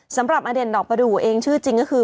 สำหรับอเด่นดอกประดูกเองชื่อจริงก็คือ